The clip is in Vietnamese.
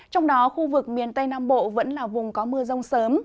trong đó khu vực miền tây nam bộ vẫn là vùng có mưa rông sớm